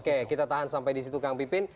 oke kita tahan sampai di situ kang pipin